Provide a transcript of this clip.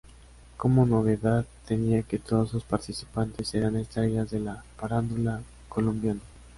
Como novedad tenía que todos sus participantes eran estrellas de la farándula colombiana.